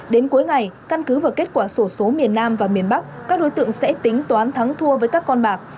đến cuối ngày căn cứ vào kết quả sổ số miền nam và miền bắc các đối tượng sẽ tính toán thắng thua với các con bạc